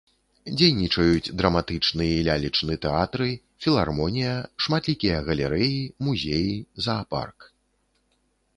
Дзейнічаюць драматычны і лялечны тэатры, філармонія, шматлікія галерэі, музеі, заапарк.